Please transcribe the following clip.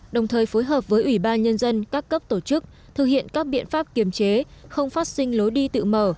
đồng thời phối hợp với ủy ban nhân dân các cấp tổ chức thực hiện các biện pháp kiềm chế không phát sinh lối đi tự mở